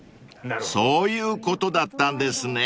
［そういうことだったんですね］